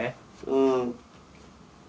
うん。